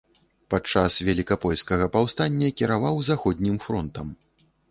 Падчас велікапольскага паўстання кіраваў заходнім фронтам.